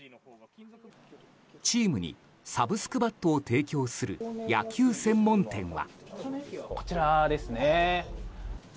チームにサブスクバットを提供する野球専門店は。